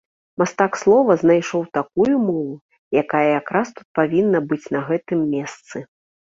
Мастак слова знайшоў такую мову, якая якраз тут павінна быць на гэтым месцы.